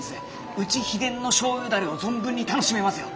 うち秘伝の醤油ダレを存分に楽しめますよ。